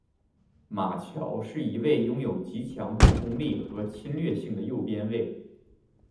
马乔是一位拥有极强助攻力和侵略性的右边卫。